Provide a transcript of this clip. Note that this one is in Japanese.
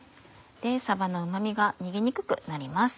さばのうま味が逃げにくくなります。